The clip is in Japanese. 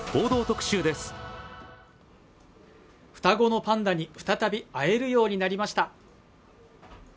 双子のパンダに再び会えるようになりました